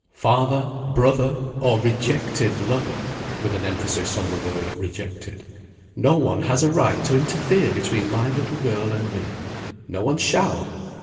"Father, brother, or rejected lover" (with an emphasis on the word rejected), "no one has a right to interfere between my little girl and me. No one shall.